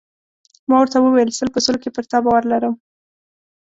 ما ورته وویل: سل په سلو کې پر تا باور لرم.